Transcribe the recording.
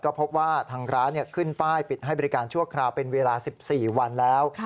ก็พบว่าทางร้านขึ้นป้ายปิดให้บริการชั่วคราวเป็นเวลา๑๔วันแล้ว